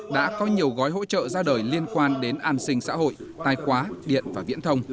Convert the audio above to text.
đã có nhiều gói hỗ trợ ra đời liên quan đến an sinh xã hội tài khoá điện và viễn thông